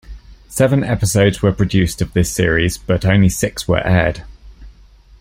Seven episodes were produced of this series, but only six were aired.